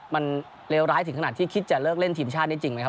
มันเลวร้ายถึงขนาดที่คิดจะเลิกเล่นทีมชาติได้จริงไหมครับ